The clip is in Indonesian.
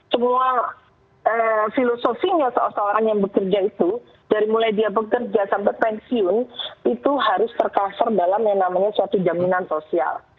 semua filosofinya seorang yang bekerja itu dari mulai dia bekerja sampai pensiun itu harus tercover dalam yang namanya suatu jaminan sosial